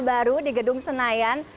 baru di gedung senayan